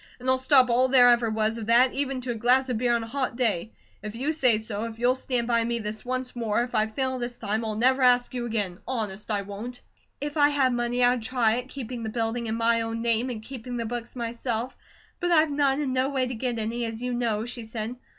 "And I'll stop all there ever was of that, even to a glass of beer on a hot day; if you say so, if you'll stand by me this once more, if I fail this time, I'll never ask you again; honest, I won't." "If I had money, I'd try it, keeping the building in my own name and keeping the books myself; but I've none, and no way to get any, as you know," she said.